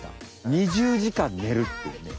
２０時間ねるっていうね